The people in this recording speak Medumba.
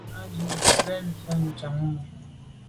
Á jí bɛ́n fá chàŋ mú.